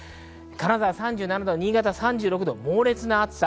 金沢３７度、新潟３６度、猛烈な暑さ。